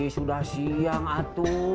sudah siang atu